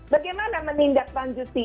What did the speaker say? bagaimana menindak panjuti